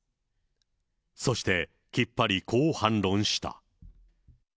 そして、きっぱりこう反論した。